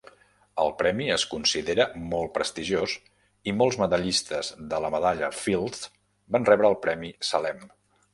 El premi es considera molt prestigiós i molts medallistes de la Medalla Fields van rebre el premi Salem.